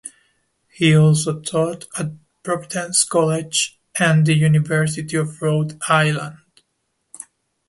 He also taught at Providence College and the University of Rhode Island.